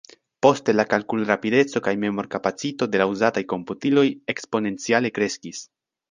Poste la kalkulrapideco kaj memorkapacito de la uzataj komputiloj eksponenciale kreskis.